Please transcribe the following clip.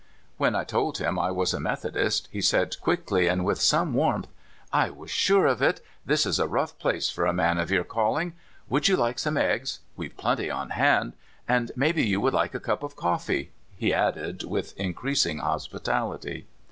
When I told him I was a Methodist, he said quickly and with some warmth :" I was sure of it. This is a rough place for a man of your calhng. Would you like some eggs? we've plenty on hand. And maybe you would like a cup of coffee," he added, with increasing hospitality.